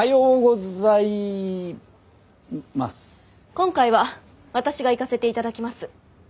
今回は私が行かせて頂きます。